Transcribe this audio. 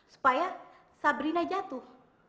supaya sabrina jatuh